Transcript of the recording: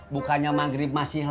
bukannya maghrib masih hampir